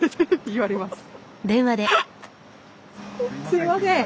すいません。